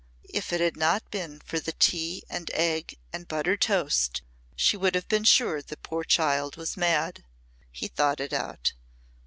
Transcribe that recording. "If it had not been for the tea and egg and buttered toast she would have been sure the poor child was mad." He thought it out.